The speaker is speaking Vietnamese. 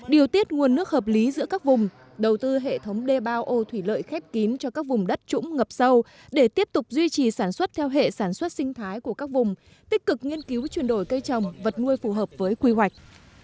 điều tiết nguồn nước hợp lý giữa các vùng đầu tư hệ thống đê bao ô thủy lợi khép kín cho các vùng đất trũng ngập sâu để tiếp tục duy trì sản xuất theo hệ sản xuất sinh thái của các vùng tích cực nghiên cứu chuyển đổi cây trồng vật nuôi phù hợp với quy hoạch